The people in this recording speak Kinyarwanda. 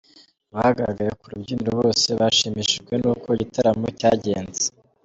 Abagaragaye ku rubyiniro bose bashimishijwe n'uko igitaramo cyagenze.